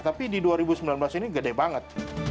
tapi di dua ribu sembilan belas ini gede banget